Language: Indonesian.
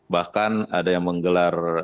bahkan ada yang menggelar